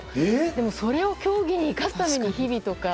でも、それを競技に生かすために、日々とか。